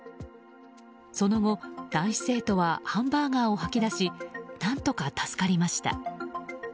その後、男子生徒はハンバーガーを吐き出し何とか助かりました。